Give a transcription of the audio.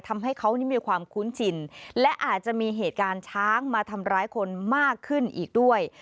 ทำให้เขานี่มีความคุ้นชินและอาจจะมีเหตุการณ์ช้างมาทำร้ายคนมากขึ้นอีกด้วย